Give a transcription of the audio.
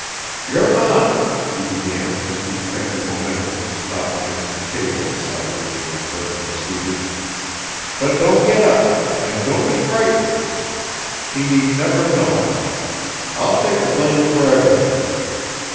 "Your aunt," he began as he checked his momentum and stopped against a table beside which Miss Burton was seated, "but don't get up and don't be frightened. She need never know. I'll take the blame for everything.